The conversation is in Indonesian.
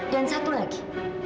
dan satu lagi